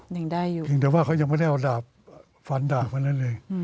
เพียงแต่ว่าเขายังไม่ได้เอาดาบฟันดาบมานั่นเอง